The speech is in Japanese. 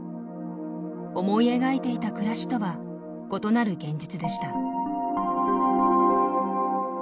思い描いていた暮らしとは異なる現実でした。